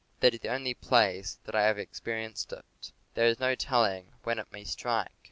That is the only place that I ever experienced it. There is no telling when it may strike.